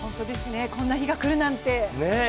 こんな日が来るなんて。